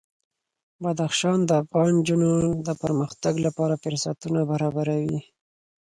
بدخشان د افغان نجونو د پرمختګ لپاره فرصتونه برابروي.